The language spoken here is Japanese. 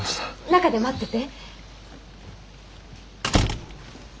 中で待ってて。